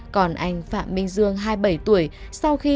còn anh phạm minh dương hai mươi bảy tuổi